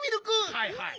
はいはい。